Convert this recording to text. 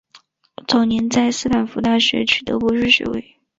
早年在斯坦福大学取得博士学位。